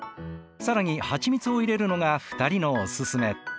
更に蜂蜜を入れるのが２人のおすすめ。